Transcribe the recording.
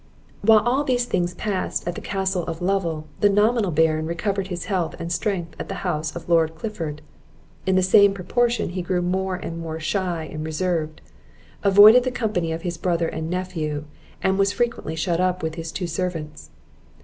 While these things passed at the Castle of Lovel, the nominal Baron recovered his health and strength at the house of Lord Clifford. In the same proportion he grew more and more shy and reserved, avoided the company of his brother and nephew, and was frequently shut up with his two servants.